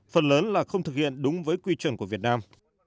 phần lớn là không thực hiện đúng với quy chuẩn của việt nam